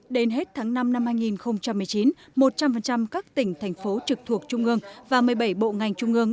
đến hết tháng năm năm hai nghìn một mươi chín một trăm linh các tỉnh thành phố trực thuộc trung ương và một mươi bảy bộ ngành trung ương